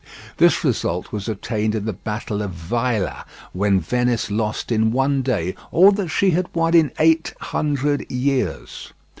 This result was attained in the battle of Vaila, when Venice lost in one day all that she had won in eight hundred years.